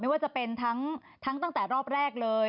ว่าจะเป็นทั้งตั้งแต่รอบแรกเลย